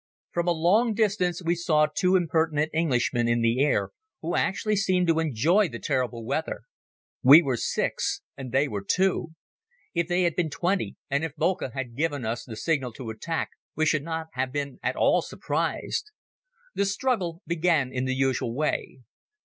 From a long distance we saw two impertinent Englishmen in the air who actually seemed to enjoy the terrible weather. We were six and they were two. If they had been twenty and if Boelcke had given us the signal to attack we should not have been at all surprised. The struggle began in the usual way.